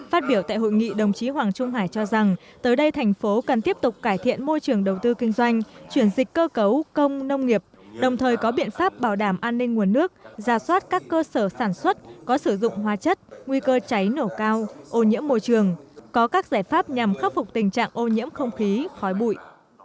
phát biểu tại hội nghị đồng chí hoàng trung hải cho rằng tới đây thành phố cần tiếp tục cải thiện môi trường đầu tư kinh doanh chuyển dịch cơ cấu công nông nghiệp đồng thời có biện pháp bảo đảm an ninh nguồn nước giả soát các cơ sở sản xuất có sử dụng hóa chất nguy cơ cháy nổ cao ô nhiễm môi trường có các giải pháp nhằm khắc phục tình trạng ô nhiễm không khí khói bụi